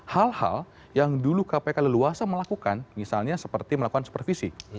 hal hal yang dulu kpk leluasa melakukan misalnya seperti melakukan supervisi